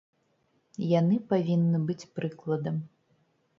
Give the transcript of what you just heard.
Яны павінны быць прыкладам.